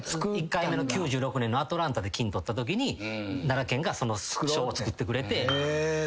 １回目の９６年のアトランタで金取ったときに奈良県がその賞をつくってくれて。